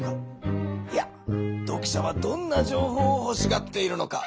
いや読者はどんな情報をほしがっているのか。